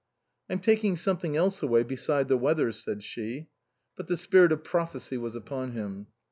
" I'm taking something else away beside the weather," said she. But the spirit of prophecy was upon him.